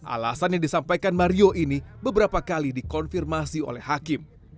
alasan yang disampaikan mario ini beberapa kali dikonfirmasi oleh hakim